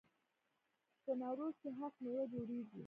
په نوروز کې هفت میوه جوړیږي.